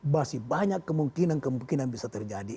masih banyak kemungkinan kemungkinan bisa terjadi